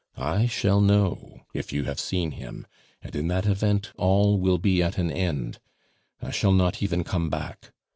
I shall know if you have seen him, and in that event all will be at an end. I shall not even come back.